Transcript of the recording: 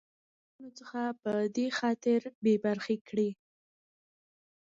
لـه خـپـلو حـقـونـو څـخـه پـه دې خاطـر بـې بـرخـې کـړي.